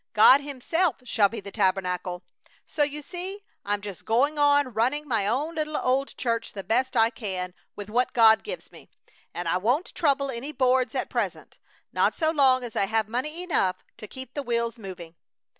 God Himself shall be the tabernacle! So you see I'm just going on running my own little old church the best I can with what God gives me, and I won't trouble any boards at present, not so long as I have money enough to keep the wheels moving."